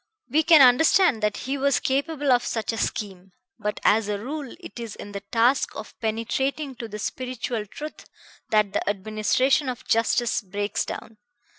We can understand that he was capable of such a scheme. But as a rule it is in the task of penetrating to the spiritual truth that the administration of justice breaks down.